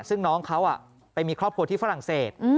ซึ่งน้องเขาไปมีครอบครัวที่ฝรั่งเศส